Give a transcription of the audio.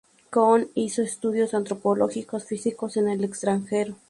Coon hizo estudios antropológicos físicos en el extranjero.